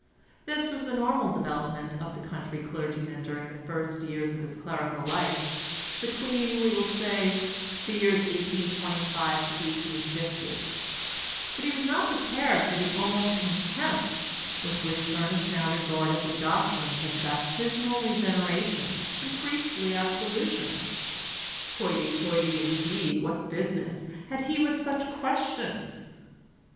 This was the normal development of the country clergyman during the first years of his clerical life, between, we will say, the years 1825 to 1850; but he was not prepared for the almost contempt with which Ernest now regarded the doctrines of baptismal regeneration and priestly absolution (Hoity toity, indeed, what business had he with such questions?)